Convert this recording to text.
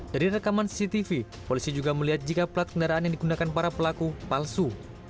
dari rekaman cctv polisi juga melihat jika plat kendaraan yang digunakan para pelaku palsu